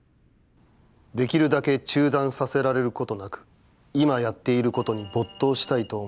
できるだけ中断させられることなく、いまやっていることに没頭したいと思っている。